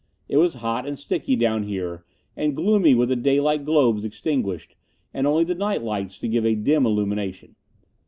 It was hot and sticky down here, and gloomy with the daylight globes extinguished, and only the night lights to give a dim illumination.